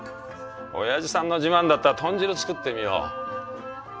おやじさんの自慢だった豚汁作ってみよう。